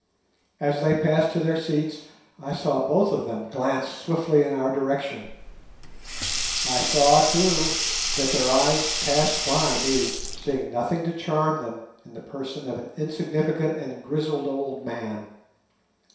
As they passed to their seats I saw both of them glance swiftly in our direction. I saw, too, that their eyes passed by me, seeing nothing to charm them in the person of an insignificant and grizzled old man.